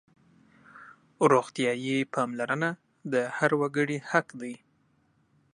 روغتیايي پاملرنه د هر وګړي حق دی.